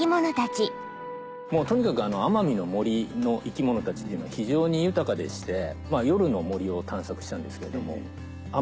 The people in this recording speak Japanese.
とにかく奄美の森の生き物たちっていうのは非常に豊かでして夜の森を探索したんですけれども。